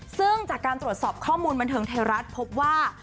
ซึ่งจากการตรวจสอบข้อมูลบันเทิงไทยรัฐพบว่า